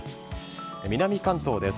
南関東です。